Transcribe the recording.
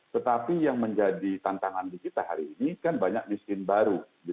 tetapi yang menjadi tantangan di kita hari ini kan banyak miskin baru